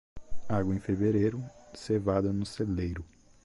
Água em fevereiro, cevada no celeiro.